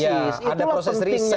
ya ada proses riset di sana